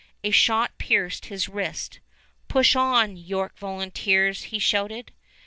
A shot pierced his wrist. "Push on, York volunteers," he shouted.